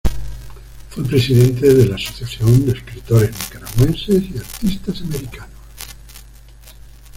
Fue presidente de la Asociación de Escritores Nicaragüenses y Artistas Americanos.